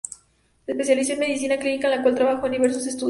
Se especializó en medicina clínica, en la cual trabajó en diversos estudios.